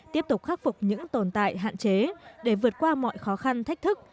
tiếp tục khắc phục những tồn tại hạn chế để vượt qua mọi khó khăn thách thức